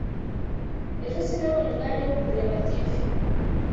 ejo sinabonye umwanya wo kureba tv